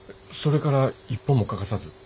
それから一本も欠かさず？